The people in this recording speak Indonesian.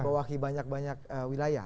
bawahi banyak banyak wilayah